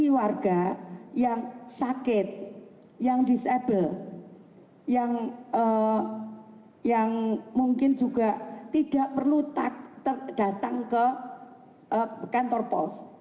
warga yang sakit yang disabel yang mungkin juga tidak perlu datang ke kantor pos